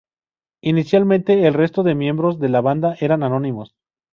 Inicialmente, el resto de miembros de la banda eran anónimos.